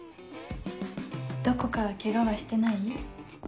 どこかケガはしてない？